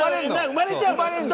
生まれちゃうの。